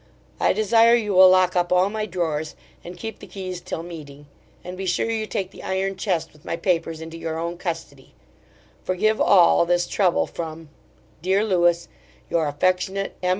I desire you will lock up all my drawers, and keep the keys till meeting; and be sure you take the iron chest with my papers into your own custody Forgive all, this trouble from, Dear Lewis, Your affectionate M.